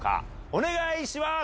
お願いします。